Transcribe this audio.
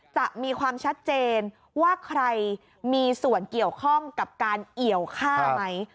จะมีความชัดเจนว่าใครมีส่วนเกี่ยวข้องกับการเอี่ยวฆ่าไหม